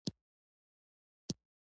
د یوچا انتظار پای ته رسیدلي